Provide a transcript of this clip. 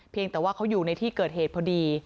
แต่ว่าเขาอยู่ในที่เกิดเหตุพอดี